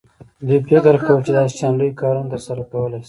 دوی فکر کاوه چې دا شیان لوی کارونه ترسره کولی شي